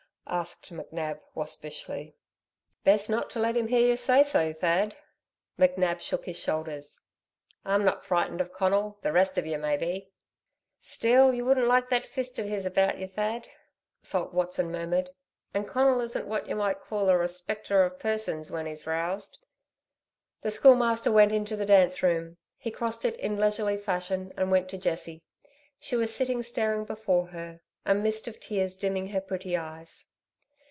asked McNab, waspishly. "Best not let him hear you say so, Thad." McNab shook his shoulders. "I'm not frightened of Conal. The rest of ye may be." "Still you wouldn't like that fist of his about you, Thad," Salt Watson murmured, "and Conal isn't what y' might call a respecter of persons when he's roused." The Schoolmaster went into the dance room. He crossed it in leisurely fashion and went to Jessie. She was sitting staring before her, a mist of tears dimming her pretty eyes.